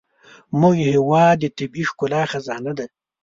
زموږ هېواد د طبیعي ښکلا خزانه ده.